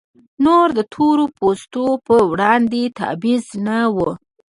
نور د تور پوستو پر وړاندې تبعیض نه و.